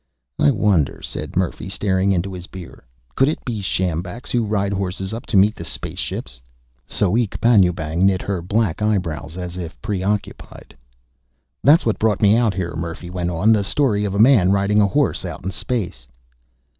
"I wonder," said Murphy, staring into his beer, "could it be sjambaks who ride horses up to meet the space ship?" Soek Panjoebang knit her black eyebrows, as if preoccupied. "That's what brought me out here," Murphy went on. "This story of a man riding a horse out in space."